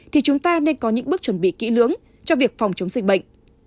thì chúng ta nên có những bước chuẩn bị kỹ lưỡng cho việc phòng chống dịch bệnh